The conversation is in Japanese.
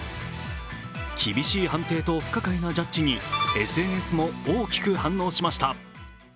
厳しい判定と、不可解なジャッジにＳＮＳも大きく反応しました。